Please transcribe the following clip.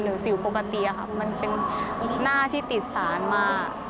สิวปกติมันเป็นหน้าที่ติดสารมา